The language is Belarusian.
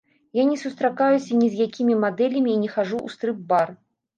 Я не сустракаюся ні з якімі мадэлямі і не хаджу ў стрып-бар.